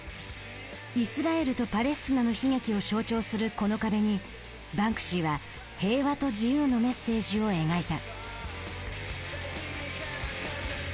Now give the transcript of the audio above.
イスラエルとパレスチナの悲劇を象徴するこの壁にバンクシーは平和と自由のメッセージを描いた。